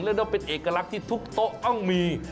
และต้องเป็นเอกลักษณ์ที่ทุกโต๊ะต้องมี